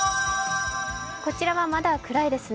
こちらはまだ暗いですね。